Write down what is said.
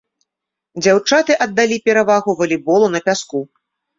Дзяўчаты аддалі перавагу валейболу на пяску.